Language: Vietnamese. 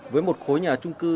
với một khối nhà trung cư